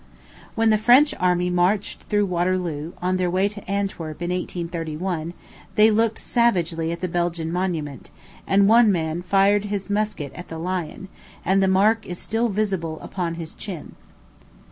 When the French army marched through Waterloo, on their way to Antwerp, in 1831, they looked savagely at the Belgian monument, and one man fired his musket at the lion, and the mark is still visible upon his chin.